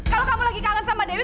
kalau kamu lagi kalah sama dewi